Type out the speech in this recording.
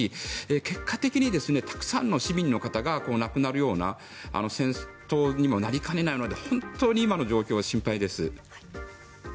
結果的にその中ではたくさんの市民の方が亡くなるような戦闘にもなりかねないので本当に今の状況は心配です。